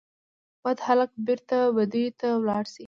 بد هلک بیرته بدیو ته ولاړ سي